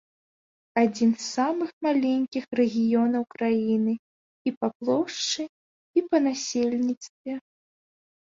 Адзін з самых маленькіх рэгіёнаў краіны і па плошчы, і па насельніцтве.